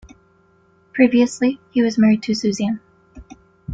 Previously, he was married to Suzanne.